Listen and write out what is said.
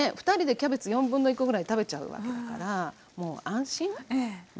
２人でキャベツ1/4コぐらい食べちゃうわけだからもう安心。